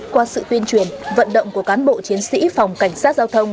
qua sự tuyên truyền vận động của cán bộ chiến sĩ phòng cảnh sát giao thông